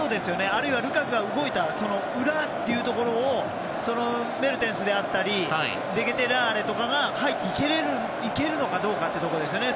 あるいはルカクが動いたその裏というところをメルテンスであったりデケテラーレとかが入っていけるのかどうかというところですね。